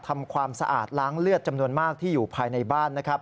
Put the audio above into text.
ทำความสะอาดล้างเลือดจำนวนมากที่อยู่ภายในบ้านนะครับ